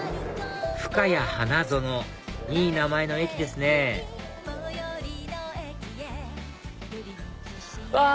ふかや花園いい名前の駅ですねうわ